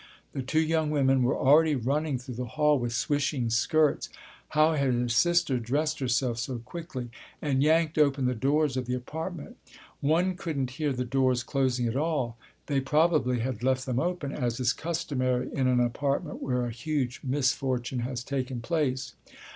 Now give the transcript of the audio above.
The two young women were already running through the hall with swishing skirts—how had his sister dressed herself so quickly?—and yanked open the doors of the apartment. One couldn't hear the doors closing at all. They probably had left them open, as is customary in an apartment where a huge misfortune has taken place.